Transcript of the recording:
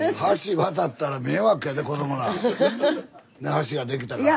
橋ができたから。